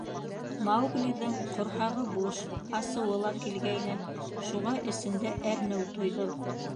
Мауглиҙың ҡорһағы буш, асыуы ла килгәйне, шуға эсендә әрнеү тойҙо.